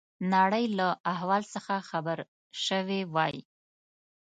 نړۍ له احوال څخه خبر شوي وای.